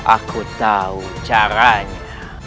aku tahu caranya